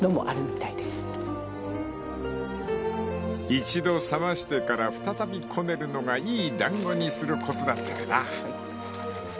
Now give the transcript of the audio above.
［一度冷ましてから再びこねるのがいい団子にするコツだったよな］